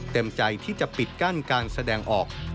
ใจที่จะปิดกั้นการแสดงออก